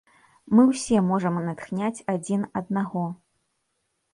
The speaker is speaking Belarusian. Мы ўсе можам натхняць адзін аднаго.